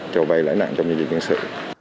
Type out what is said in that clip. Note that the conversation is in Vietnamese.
trò bay lãi nạn trong nhiệm vụ chiến sĩ